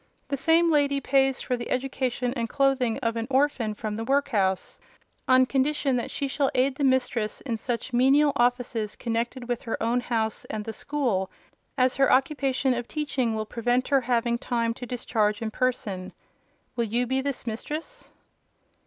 The same lady pays for the education and clothing of an orphan from the workhouse, on condition that she shall aid the mistress in such menial offices connected with her own house and the school as her occupation of teaching will prevent her having time to discharge in person. Will you be this mistress?"